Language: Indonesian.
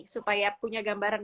supaya punya gambaran